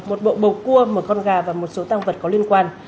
một bộ bầu cua một con gà và một số tăng vật có liên quan